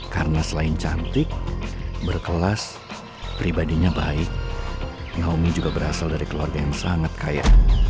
karena selain cantik berkelas pribadinya baik naomi juga berasal dari keluarga yang sangat kaya